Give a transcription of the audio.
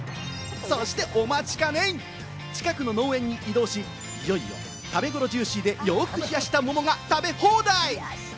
そしてお待ちかね、近くの農園に移動し、食べ頃ジューシーでよく冷やした桃が食べ放題！